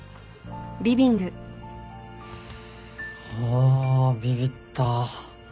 あビビった。